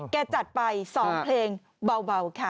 จัดไป๒เพลงเบาค่ะ